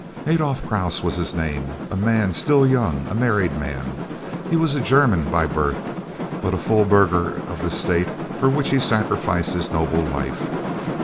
Adolph Krause was his name, a man still young, a married man. He was a German by birth, but a full burgher of the State for which he sacrificed his noble life.